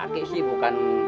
aki sih bukan